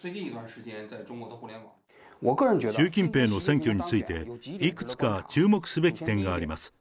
習近平の選挙について、いくつか注目すべき点があります。